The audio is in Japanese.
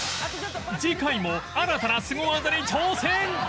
次回も新たなスゴ技に挑戦！